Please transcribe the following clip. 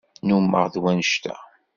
Nnumeɣ d wannect-a.